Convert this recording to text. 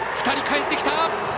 ２人かえってきた！